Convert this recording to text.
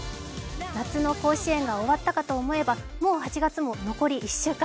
夏の甲子園が終わったかと思えばもう８月も残り１週間。